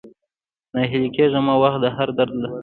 ناهيلی کيږه مه ، وخت د هر درد درمل لري